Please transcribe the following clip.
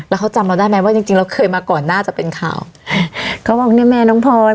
แล้วเขาจำเราได้ไหมว่าจริงจริงเราเคยมาก่อนน่าจะเป็นข่าวเขาบอกเนี้ยแม่น้องพร